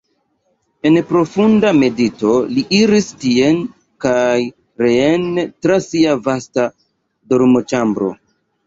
En profunda medito li iris tien kaj reen tra sia vasta dormoĉambro.